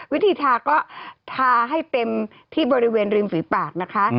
วิธีทาก็ทาให้เต็มที่บริเวณริมฝีปากนะคะ